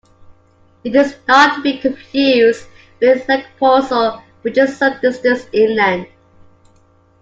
It is not to be confused with Lake Poso, which is some distance inland.